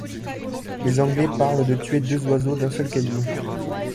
Les Anglais parlent de tuer deux oiseaux d'un seul caillou.